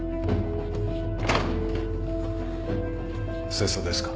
清掃ですか？